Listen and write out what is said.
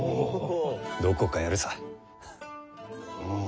どこかやるさ。